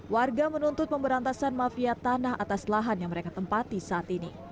warga menuntut pemberantasan mafia tanah atas lahan yang mereka tempati saat ini